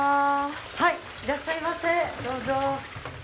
はいいらっしゃいませどうぞ。